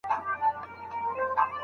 که لارښود مهربانه وي نو شاګرد به زړور سي.